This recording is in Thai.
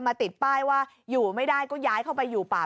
แต่ไอ้ติดป้ายน่ะไล่ให้ขายบ้าน